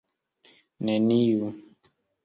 neniu